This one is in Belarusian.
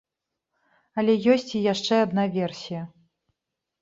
Але ёсць і яшчэ адна версія.